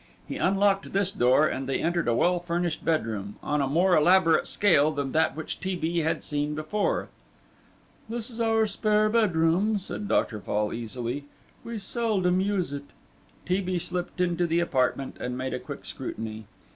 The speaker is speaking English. He unlocked this door and they entered a well furnished bedroom; on a more elaborate scale than that which T. B. had seen before. "This is our spare bedroom," said Dr. Fall, easily; "we seldom use it." T. B. slipped into the apartment and made a quick scrutiny.